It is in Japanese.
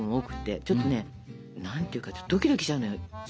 ちょっとね何ていうかちょっとドキドキしちゃうの。